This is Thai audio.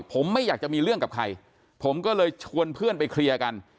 ผมไม่อยากจะมีเรื่องกับใครผมก็เลยชวนเพื่อนไปเคลียร์กัน